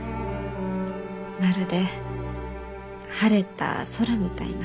まるで晴れた空みたいな。